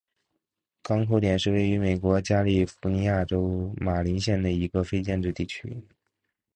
港口点是位于美国加利福尼亚州马林县的一个非建制地区。